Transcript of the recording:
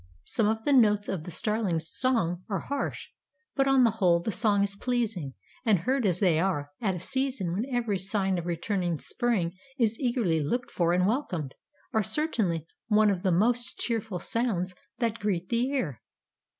Some of the notes of the Starling's song are harsh but on the whole the song is pleasing and "heard as they are, at a season when every sign of returning spring is eagerly looked for and welcomed, are certainly one of the most cheerful sounds that greet the ear."